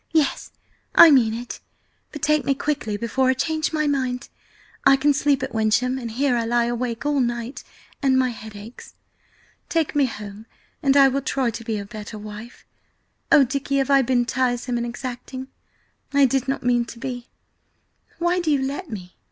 "Yes, I mean it! But take me quickly before I change my mind! I can sleep at Wyncham, and here I lie awake all night, and my head aches. Take me home and I will try to be a better wife! Oh, Dicky, have I been tiresome and exacting? I did not mean to be! Why do you let me?"